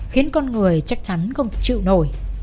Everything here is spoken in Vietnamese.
khiến con người chắc chắn không thể chịu nổi